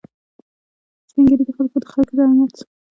سپین ږیری د خپلو خلکو د امنیت ساتونکي دي